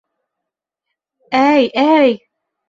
— Әй-әй!